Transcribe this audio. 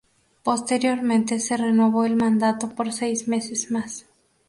Posteriormente se renovó el mandato por seis meses más.